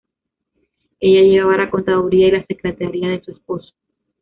Ella llevaba la contaduría y la secretaría de su esposo.